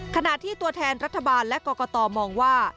ขณะที่ตัวแทนรัฐบาลและกรกตมองว่า